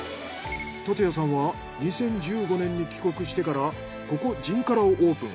竪谷さんは２０１５年に帰国してからここじんからをオープン。